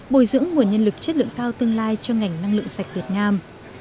bồi dưỡng nguồn nhân lực chất lượng cao tương lai cho ngành năng lượng sạch việt nam